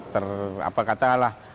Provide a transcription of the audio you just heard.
ter apa katalah